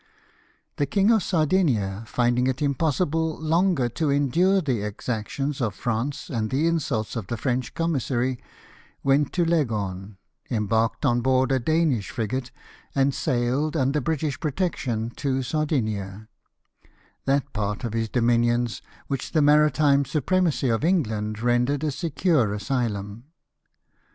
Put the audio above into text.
The King of Sardinia, finding it impossible longer to endure the exactions of France and the insults of the French commissary, went to Leghorn, embarked on board a Danish frigate, and sailed, under British protection, to Sardinia; that part of his dominions Avhich the maritime supremacy of England rendered a secure asylum.